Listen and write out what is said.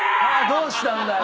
どうしたんだよ